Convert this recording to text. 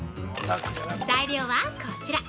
◆材料は、こちら。